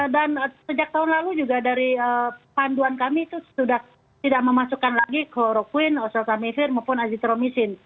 dan sejak tahun lalu juga dari panduan kami itu sudah tidak memasukkan lagi kloropin oseltamivir maupun oezitromisin